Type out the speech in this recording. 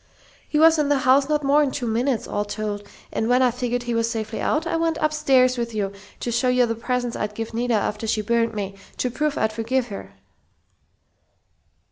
"He was in the house not more'n two minutes, all told, and when I figured he was safely out, I went upstairs with you to show you the presents I'd give Nita after she burnt me, to prove I'd forgive her."